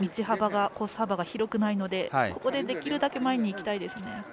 幅が広くないのでできるだけ前に行きたいですね。